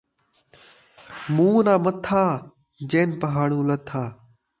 مون٘ہہ ناں متھا ، جن پہاڑوں لتھا